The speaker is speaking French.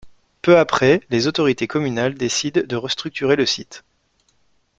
Peu après, les autorités communales décident de restructurer le site.